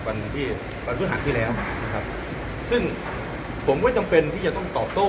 วันที่วันพฤหัสที่แล้วนะครับซึ่งผมก็จำเป็นที่จะต้องตอบโต้